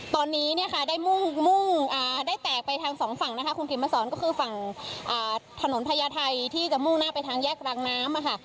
ตอนนี้เนี่ยค่ะได้มุ่งได้แตกไปทางสองฝั่งนะคะคุณเขียนมาสอนก็คือฝั่งถนนพญาไทยที่จะมุ่งหน้าไปทางแยกรางน้ำค่ะ